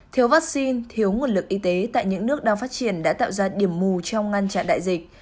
thiếu vaccine thiếu nguồn lực y tế tại những nước đang phát triển đã tạo ra điểm mù trong ngăn chặn đại dịch